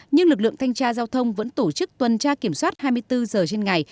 nhưng lực lượng thanh tra giao thông vẫn tổ chức tuần tra kiểm soát hai mươi bốn giờ trên ngày